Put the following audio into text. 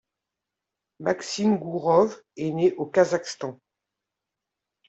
Maxim Gourov est né au Kazakhstan.